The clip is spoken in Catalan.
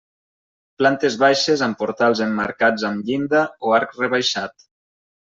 Plantes baixes amb portals emmarcats amb llinda o arc rebaixat.